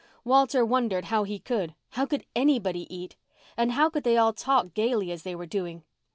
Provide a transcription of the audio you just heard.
Walter wondered how he could. How could anybody eat? And how could they all talk gaily as they were doing?